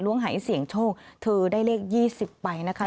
ล้วงหายเสี่ยงโชคถือได้เลขยี่สิบใบนะคะ